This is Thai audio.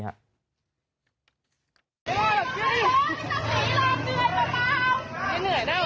ทำไมวะแล้วมันปีนไว้ทำไมวะ